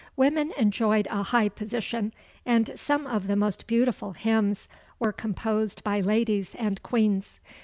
Women enjoyed a high position; and some of the most beautiful hymns were composed by ladies and queens.